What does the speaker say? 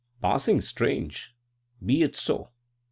"Passing strange! Be it so.